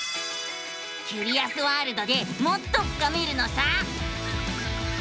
キュリアスワールドでもっと深めるのさ！